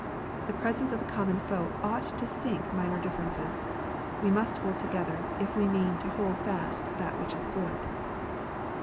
The presence of a common foe ought to sink minor differences. We must hold together, if we mean to "hold fast that which is good."